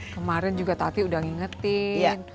kemarin juga tati udah ngingetin